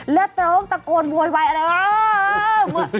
แล้วตะโ๊งตะโกนเบวเว่ยอะไรวะ